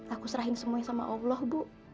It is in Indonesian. aku serahin semuanya sama allah bu